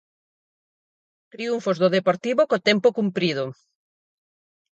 Triunfos do Deportivo co tempo cumprido.